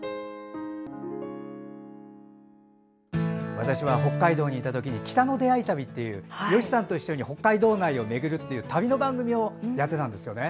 私は北海道にいた時に「北の出会い旅」という吉さんと一緒に北海道内を巡るっていう旅の番組をやってたんですね。